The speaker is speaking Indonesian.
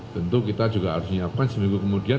tentu kita juga harus menyiapkan seminggu kemudian